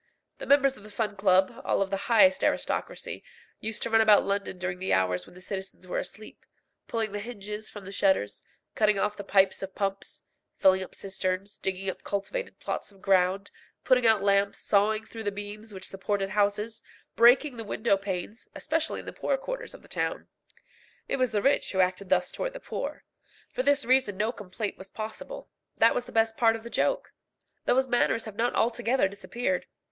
The members of the Fun Club, all of the highest aristocracy, used to run about London during the hours when the citizens were asleep, pulling the hinges from the shutters, cutting off the pipes of pumps, filling up cisterns, digging up cultivated plots of ground, putting out lamps, sawing through the beams which supported houses, breaking the window panes, especially in the poor quarters of the town. It was the rich who acted thus towards the poor. For this reason no complaint was possible. That was the best of the joke. Those manners have not altogether disappeared.